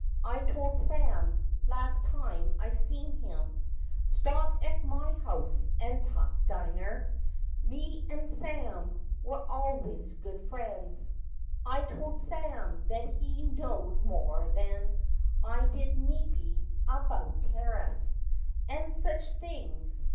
I told Sam last time I seen him — Stopt at my house and tuck dinner— Me an' Sam was al'ys good friends— I told Sam that he know'd more than I did, mebbe, about tariffs And sech things.